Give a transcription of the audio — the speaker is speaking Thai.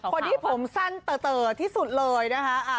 คนที่ผมสั้นเต๋อที่สุดเลยนะคะ